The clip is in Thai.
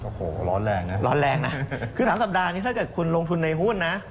โอ้โหร้อนแรงนะร้อนแรงนะคือ๓สัปดาห์นี้ถ้าเกิดคุณลงทุนในหุ้นนะ